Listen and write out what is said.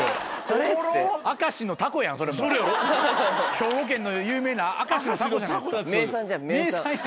兵庫県の有名な明石のタコじゃないですか。